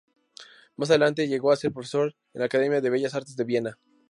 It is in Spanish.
Más adelante llegó a ser profesor en la Academia de Bellas Artes de Viena.